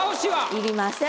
要りません。